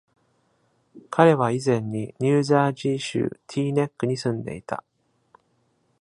彼は以前にニュージャージー州ティーネックに住んでいた。